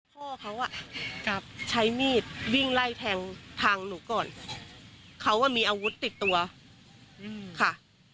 พ่อเขาอ่ะกลับใช้มีดวิ่งไล่แทงทางหนูก่อนเขาอ่ะมีอาวุธติดตัวค่ะ